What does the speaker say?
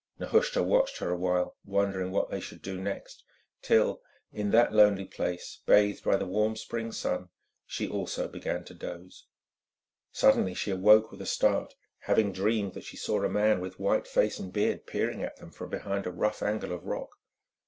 Nehushta watched her a while, wondering what they should do next, till, in that lonely place bathed by the warm spring sun, she also began to doze. Suddenly she awoke with a start, having dreamed that she saw a man with white face and beard peering at them from behind a rough angle of rock.